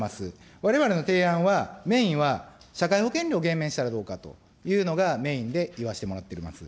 われわれの提案は、メインは、社会保険料を減免したらどうかというのをメインで言わせてもらってます。